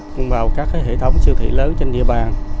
cùng vào các hệ thống siêu thị lớn trên địa bàn